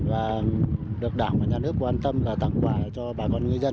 và được đảng và nhà nước quan tâm và tặng quà cho bà con ngư dân